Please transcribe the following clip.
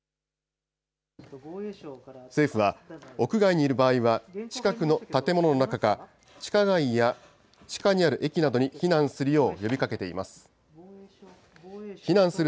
政府は屋外にいる場合は、近くの建物の中か、地下街や地下にある駅などに避難するよう呼びかけています。